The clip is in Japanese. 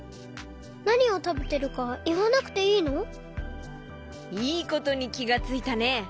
なにをたべてるかいわなくていいの？いいことにきがついたね！